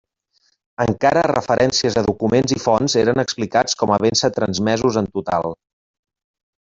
Encara referències a documents i fonts eren explicats com havent-se transmesos en total.